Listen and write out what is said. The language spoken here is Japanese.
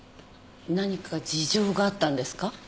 何か事情があったんですか？